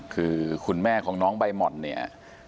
คือคุณแม่ของน้องใบหม่อนเนี่ย